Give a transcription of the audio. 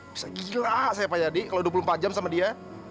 bisa gila saya pak yadi kalau dua puluh empat jam sama dia